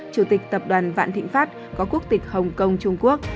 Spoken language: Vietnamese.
chủ tịch tập đoàn vạn thịnh pháp có quốc tịch hồng kông trung quốc